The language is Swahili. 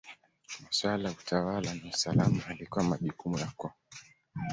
Maswala ya utawala na usalama yalikuwa majukumu ya koo.